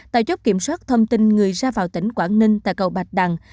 tại chốt kiểm soát thông tin người ra vào tỉnh quảng ninh tại cầu bạch đằng